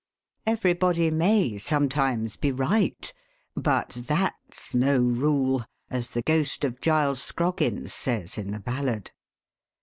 Everybody may some times be right ; "but thaC» no rule," as the ghost of Giles Scroggins says in the ballad.